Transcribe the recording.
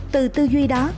từ tư duy đó